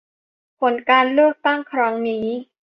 ผลการเลือกตั้งครั้งนี้